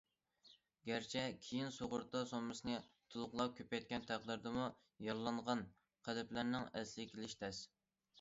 گەرچە كېيىن سۇغۇرتا سوممىسىنى تولۇقلاپ كۆپەيتكەن تەقدىردىمۇ، يارىلانغان قەلبلەرنىڭ ئەسلىگە كېلىشى تەس.